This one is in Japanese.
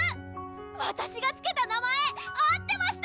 わたしがつけた名前合ってました！